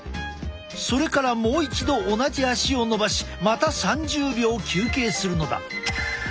それからもう一度同じ足をのばしまた３０秒休憩するのだ。